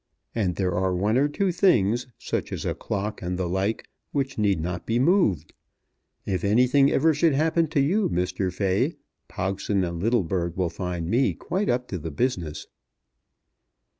And there are one or two things, such as a clock and the like, which need not be moved. If anything ever should happen to you, Mr. Fay, Pogson and Littlebird will find me quite up to the business."